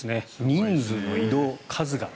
人数の移動、数が。